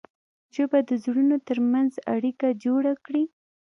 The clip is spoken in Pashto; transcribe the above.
ژبه د زړونو ترمنځ اړیکه جوړه کړي